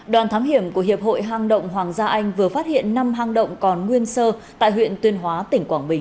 đoàn thám hiểm của hiệp hội hang động hoàng gia anh vừa phát hiện năm hang động còn nguyên sơ tại huyện tuyên hóa tỉnh quảng bình